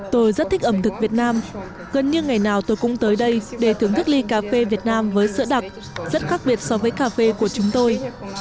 tôi rất thích ẩm thực việt nam gần như ngày nào tôi cũng tới đây để thưởng thức ly cà phê việt nam với sữa đặc rất khác biệt so với cà phê của chúng tôi